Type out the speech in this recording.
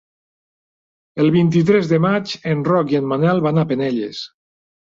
El vint-i-tres de maig en Roc i en Manel van a Penelles.